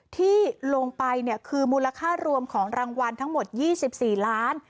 ที่ลงไปคือมูลค่ารวมของรางวัลทั้งหมด๒๔ล้าน